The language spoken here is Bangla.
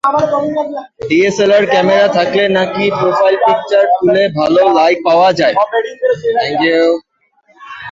ডিএসএলআর ক্যামেরা থাকলে নাকি প্রোফাইল পিকচার তুলে ভালো লাইক পাওয়া যায়।